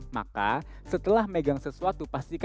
maka setelah megang sesuatu pastikan kamu langsung mengambil